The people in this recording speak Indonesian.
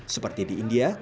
seperti di india